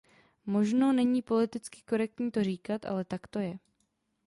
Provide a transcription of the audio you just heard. Možno není politicky korektní to říkat, ale tak to je.